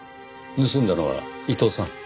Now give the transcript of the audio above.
盗んだのは伊藤さん？